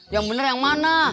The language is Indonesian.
yang bener yang mana